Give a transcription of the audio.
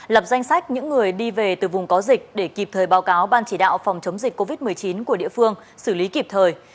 lập danh sách những người đi về từ vùng có dịch để kịp thời báo cáo ban chỉ đạo phòng chống dịch covid một mươi chín của địa phương xử lý kịp thời